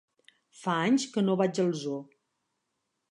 Fa anys que no vaig al zoo.